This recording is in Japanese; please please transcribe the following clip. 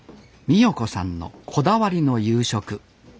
美代子さんのこだわりの夕食。